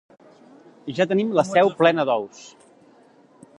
Ja tenim la seu plena d'ous.